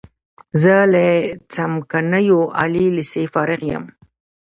زه له څمکنیو عالی لیسې فارغ یم.